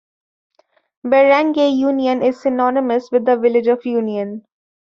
Barangay Union is synonymous with the village of Union.